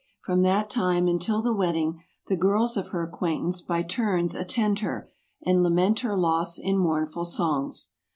From that time until the wedding, the girls of her acquaintance by turns attend her, and lament her loss in mournful songs.